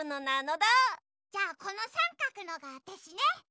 じゃあこのさんかくのがわたしね。